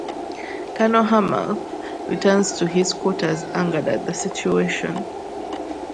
Colonel Hammer returns to his quarters angered at the situation.